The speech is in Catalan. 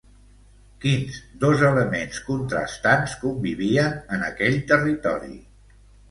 Quins dos elements contrastants convivien en aquell territori?